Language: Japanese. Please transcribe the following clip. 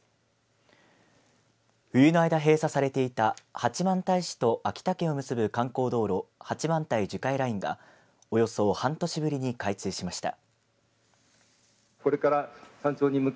冬の間、閉鎖されていた八幡平市と秋田県を結ぶ観光道路、八幡平樹海ラインがおよそ半年ぶりに開通しました。